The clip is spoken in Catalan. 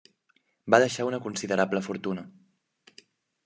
Va deixar una considerable fortuna.